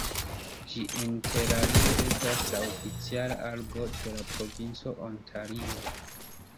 Ĝi interalie estas la oficiala arbo de la provinco Ontario.